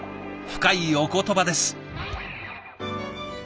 深いお言葉です。